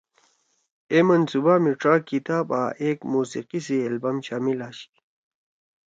اے منصوبہ می ڇا کتاب آں ایک موسیقی سی ایلبم شامل آشی۔